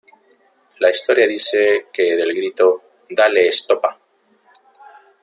La historia dice que del grito ""¡Dale estopa!